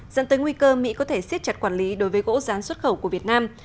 dẫn tới nguy cơ mỹ có thể siết chặt quản lý đối với gỗ rán xuất khẩu của việt nam